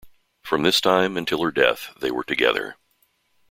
From this time until her death, they were together.